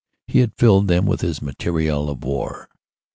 He had filled them with his material of war.